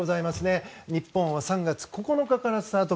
日本は３月９日からスタート。